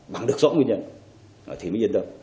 bằng được rõ nguyên nhân